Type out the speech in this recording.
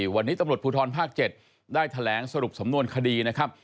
วันนี้ตำรวจภูทรภาค๗ได้แถลงสรุปสำนวนคดีนะครับ